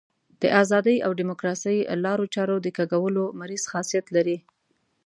د ازادۍ او ډیموکراسۍ لارو چارو د کږولو مریض خاصیت لري.